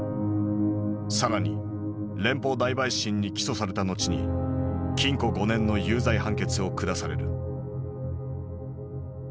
更に連邦大陪審に起訴された後に禁錮５年の有罪判決を下される。